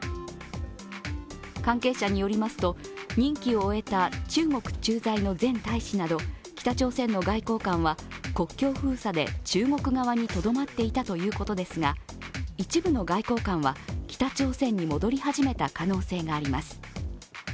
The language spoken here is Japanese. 関係者によりますと、任期を終えた中国駐在の前大使など北朝鮮の外交官は国境封鎖で中国側にとどまっていたということですが一部の外交官は北朝鮮に戻り始めた可能性があります。